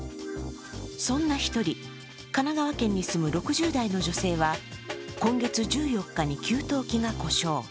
そんな一人、神奈川県に住む６０代の女性は今月１４日に給湯器が故障。